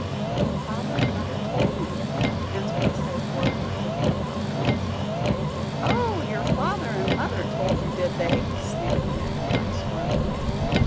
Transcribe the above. "My father and mother told me that," answered the Sedge Warbler, with more confidence. "Oh, your father and mother told you, did they?" sneered the Magpie, scornfully.